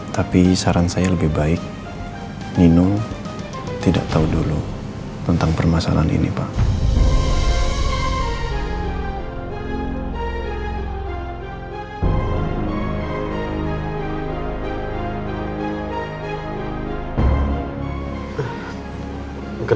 tapi saran saya lebih baik minum tidak tahu dulu tentang permasalahan ini pak